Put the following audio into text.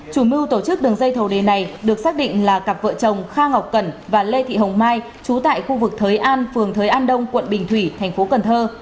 chủ mưu tổ chức đường dây thầu đề này được xác định là cặp vợ chồng kha ngọc cẩn và lê thị hồng mai chú tại khu vực thới an phường thới an đông quận bình thủy thành phố cần thơ